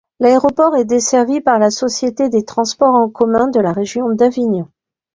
L'aéroport est desservi par la société des Transports en Commun de la Région d'Avignon.